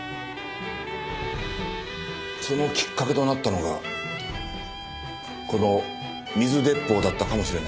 そのきっかけとなったのがこの水鉄砲だったかもしれないんです。